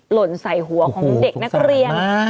หล่นใส่หัวของเด็กนักเรียน